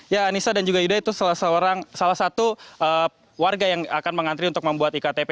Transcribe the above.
ya anissa dan juga yuda itu salah satu warga yang akan mengantri untuk membuat iktp